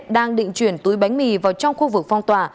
đang định chuyển túi bánh mì vào trong khu vực phong tỏa